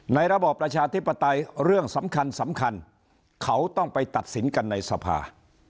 ระบอบประชาธิปไตยเรื่องสำคัญสำคัญเขาต้องไปตัดสินกันในสภา